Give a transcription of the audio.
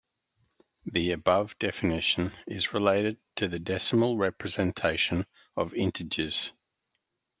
The above definition is related to the decimal representation of integers.